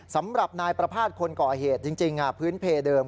สำหรับนายประภาษณ์คนก่อเหตุจริงพื้นเพเดิม